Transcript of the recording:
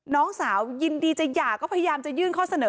น้องสาวยินดีจะหย่าก็พยายามจะยื่นข้อเสนอ